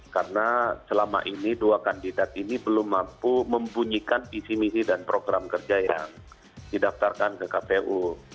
karena selama ini dua kandidat ini belum mampu membunyikan isi isi dan program kerja yang didaftarkan ke kpu